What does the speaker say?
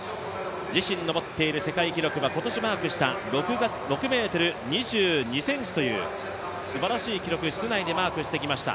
自身の持っている世界記録は６ｍ２２ｃｍというすばらしい記録、室内でマークしてきました。